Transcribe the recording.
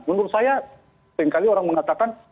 menurut saya seringkali orang mengatakan